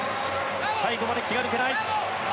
最後まで気が抜けない。